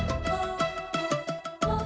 nih aku tidur